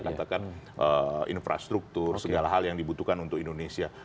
katakan infrastruktur segala hal yang dibutuhkan untuk indonesia